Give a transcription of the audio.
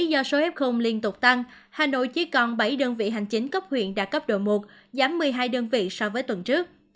do số f liên tục tăng hà nội chỉ còn bảy đơn vị hành chính cấp huyện đạt cấp độ một giảm một mươi hai đơn vị so với tuần trước